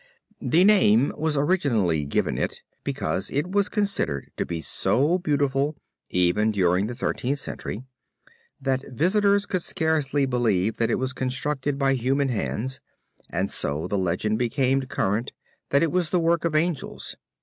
The name was originally given it because it was considered to be so beautiful even during the Thirteenth Century, that visitors could scarcely believe that it was constructed by human hands and so the legend became current that it was the work of angels.